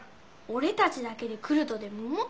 俺たちだけで来るとでも思ってんの？